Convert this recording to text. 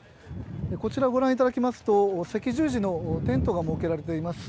こちらご覧いただきますと、赤十字のテントが設けられています。